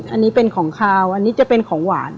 อันนี้เป็นของขาวอันนี้จะเป็นของหวาน